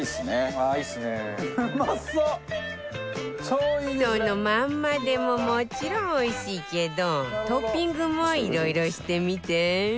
そのまんまでももちろんおいしいけどトッピングもいろいろしてみて